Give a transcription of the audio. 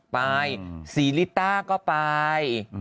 ไปศรีลิต้าก็ไป